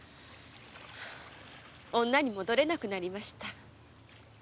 女に戻れなくなりました。